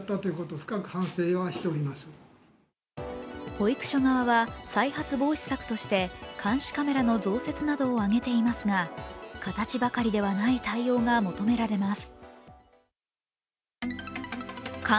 保育所側は再発防止策として、監視カメラの増設などを挙げていますが、形ばかりではない対応が求められます。